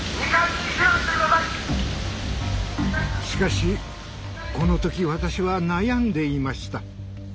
しかしこの時私は悩んでいました。